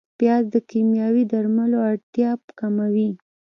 پیاز د کیمیاوي درملو اړتیا کموي